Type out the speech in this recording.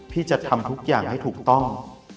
พี่จะทำทุกอย่างให้ถูกต้อง